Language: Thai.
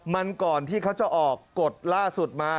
มันก่อนที่เขาจะออกกฎล่าสุดมา